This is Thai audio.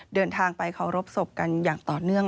เดินทางไปเคารพศพกันอย่างต่อเนื่อง